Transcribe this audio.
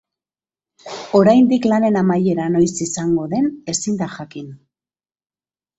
Oraindik lanen amaiera noiz izango den ezin da jakin.